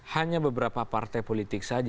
hanya beberapa partai politik saja